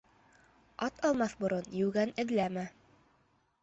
Ат алмаҫ борон йүгән эҙләмә.